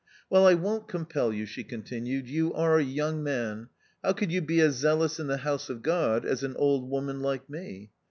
" Well, I won't compel you," she continued, " you are a young man — how could you be as zealous in the house of God as an old woman like me?